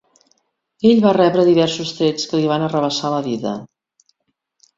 Ell va rebre diversos trets que li van arrabassar la vida.